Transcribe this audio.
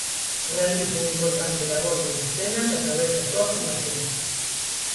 Realiza un importante labor de mecenas a través da súa fundación.